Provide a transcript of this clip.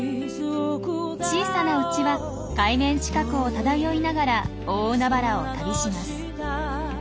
小さなうちは海面近くを漂いながら大海原を旅します。